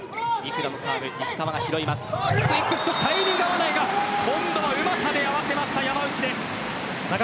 クイック、入りが合わないが今度はうまさで合わせました山内です。